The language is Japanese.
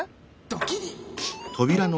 ドキリ。